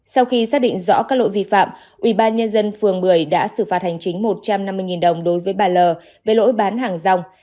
sau khi xác định rõ các lỗi vi phạm ubnd phường một mươi đã xử phạt hành chính một trăm năm mươi đồng đối với bà l về lỗi bán hàng rong